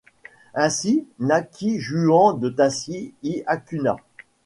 Ainsi naquît Juan de Tassis y Acuña.